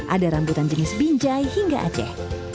ada rambutan jenis binjai hingga aceh